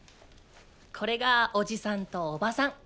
これがおじさんとおばさん。